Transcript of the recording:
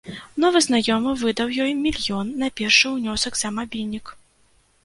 Новы знаёмы выдаў ёй мільён на першы ўнёсак за мабільнік.